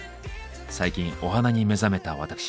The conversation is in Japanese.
最近お花に目覚めた私。